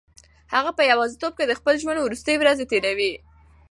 هغه په یوازیتوب کې د خپل ژوند وروستۍ ورځې تېروي.